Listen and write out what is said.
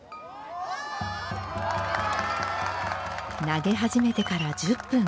投げ始めてから１０分。